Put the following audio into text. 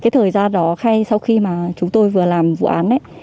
thời gian đó sau khi chúng tôi vừa làm vụ án